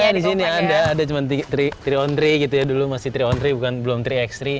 iya di sini ada ada cuma tiga on tiga gitu ya dulu masih tiga on tiga bukan belum tiga x tiga